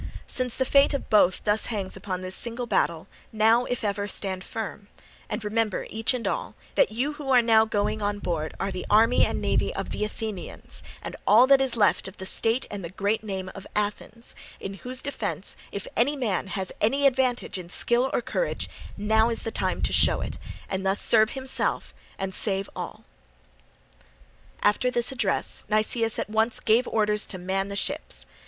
Since the fate of both thus hangs upon this single battle, now, if ever, stand firm, and remember, each and all, that you who are now going on board are the army and navy of the Athenians, and all that is left of the state and the great name of Athens, in whose defence if any man has any advantage in skill or courage, now is the time for him to show it, and thus serve himself and save all." After this address Nicias at once gave orders to man the ships.